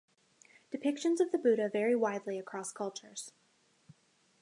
Depictions of the Buddha vary widely across cultures.